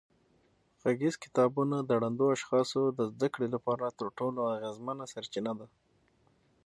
غږیز کتابونه د ړندو اشخاصو د زده کړې لپاره تر ټولو اغېزمنه سرچینه ده.